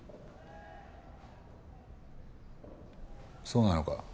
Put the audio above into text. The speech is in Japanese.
そうなのか？